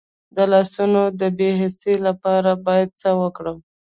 د لاسونو د بې حسی لپاره باید څه وکړم؟